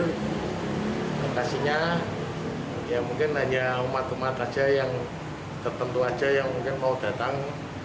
makasihnya ya mungkin hanya umat umat aja yang tertentu aja yang mungkin mau datang